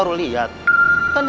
itu kayak binatang ya